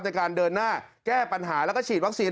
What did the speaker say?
ในการเดินหน้าแก้ปัญหาแล้วก็ฉีดวัคซีน